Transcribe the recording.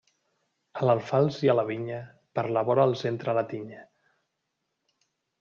A l'alfals i a la vinya, per la vora els entra la tinya.